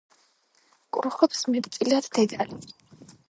კრუხობს მეტწილად დედალი.